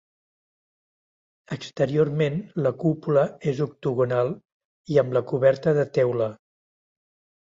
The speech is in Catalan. Exteriorment, la cúpula és octogonal i amb la coberta de teula.